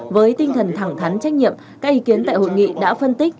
với tinh thần thẳng thắn trách nhiệm các ý kiến tại hội nghị đã phân tích